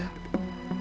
aku gak peduli